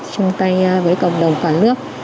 chung tay với cộng đồng cả nước